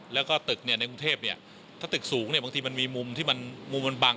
แล้วก็ตึกในกรุงเทพฯถ้าตึกสูงบางทีมันมีมุมที่มันบัง